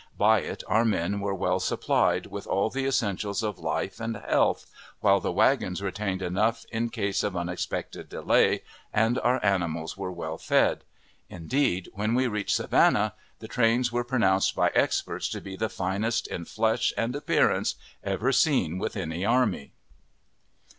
By it our men were well supplied with all the essentials of life and health, while the wagons retained enough in case of unexpected delay, and our animals were well fed. Indeed, when we reached Savannah, the trains were pronounced by experts to be the finest in flesh and appearance ever seen with any army.